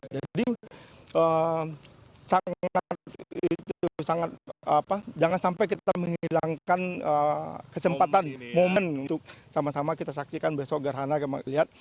jadi jangan sampai kita menghilangkan kesempatan momen untuk sama sama kita saksikan besok garhana